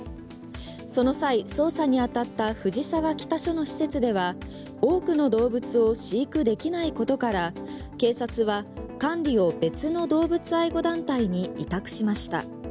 その際捜査に当たった藤沢北署の施設では多くの動物を飼育できないことから、警察は管理を別の動物愛護団体に委託しました。